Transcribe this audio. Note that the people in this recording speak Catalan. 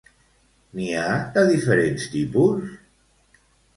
N'hi ha de diferents tipus?